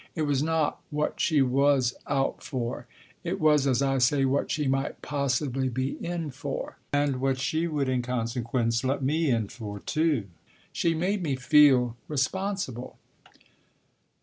It was not what she was out for, it was, as I say, what she might possibly be in for ; and what she would, in consequence, let me in for too. She made me feel responsible.